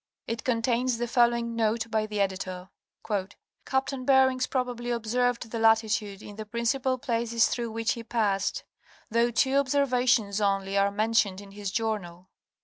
It contains the following note by the editor. "Capt. Beerings probably observ'd y* Lat.¢ in y® Principal places thro' wt he pass'd, tho' two Observations only are mentioned in his Journal.